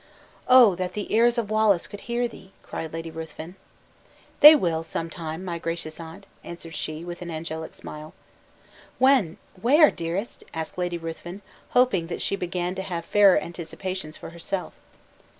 "Oh! that the ears of Wallace could hear thee!" cried Lady Ruthven. "They will, some time, my gracious aunt," answered she, with an angelic smile. "When? where, dearest?" asked Lady Ruthven, hoping that she began to have fairer anticipations for herself.